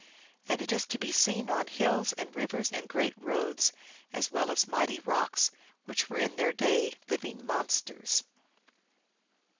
And it is to be seen on hills and rivers anc great roads, as well as mighty rocks, which were in their day living monsters.